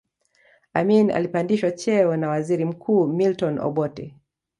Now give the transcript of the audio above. Amin alipandishwa cheo na waziri mkuu Milton Obote